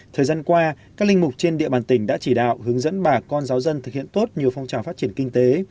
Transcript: thời gian qua các linh mục trên địa bàn tỉnh đã chỉ đạo hướng dẫn bà con giáo dân thực hiện tốt nhiều phong trào phát triển kinh tế